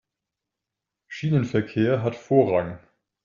Schienenverkehr hat Vorrang.